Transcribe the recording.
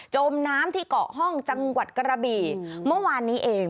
จมน้ำที่เกาะห้องจังหวัดกระบี่เมื่อวานนี้เอง